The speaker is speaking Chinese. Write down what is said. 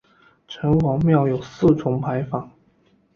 城隍庙有四重牌坊。